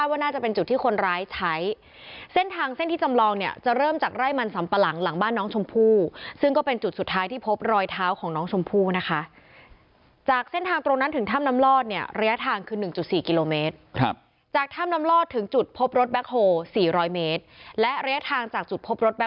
ว่าน่าจะเป็นจุดที่คนร้ายใช้เส้นทางเส้นที่จำลองเนี่ยจะเริ่มจากไร่มันสัมปะหลังหลังบ้านน้องชมพู่ซึ่งก็เป็นจุดสุดท้ายที่พบรอยเท้าของน้องชมพู่นะคะจากเส้นทางตรงนั้นถึงถ้ำน้ำลอดเนี่ยระยะทางคือ๑๔กิโลเมตรครับจากถ้ำน้ำลอดถึงจุดพบรถแคคโฮ๔๐๐เมตรและระยะทางจากจุดพบรถแ